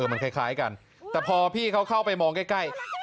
มันคล้ายกันแต่พอพี่เขาเข้าไปมองใกล้